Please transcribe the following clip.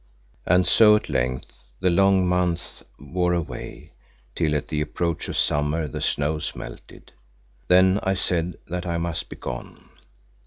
And so at length the long months wore away, till at the approach of summer the snows melted. Then I said that I must be gone.